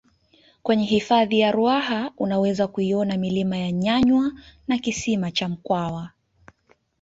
kwenye hifadhi ya ruaha unaweza kuiona milima ya nyanywa na kisima cha mkwawa